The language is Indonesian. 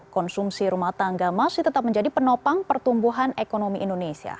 konsumsi rumah tangga masih tetap menjadi penopang pertumbuhan ekonomi indonesia